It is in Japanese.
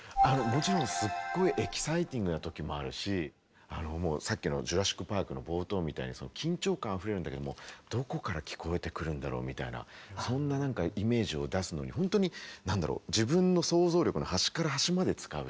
もちろんすっごいエキサイティングなときもあるしもうさっきの「ジュラシック・パーク」の冒頭みたいに緊張感あふれるんだけどもどこから聞こえてくるんだろうみたいなそんななんかイメージを出すのに本当になんだろう